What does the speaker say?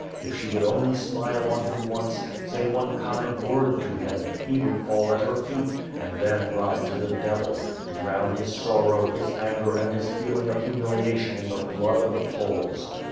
If she would only smile on him once, say one kind word to him, he would fall at her feet — and then ride to the devil; to drown his sorrow, his anger and his feeling of humiliation in the blood of the Poles.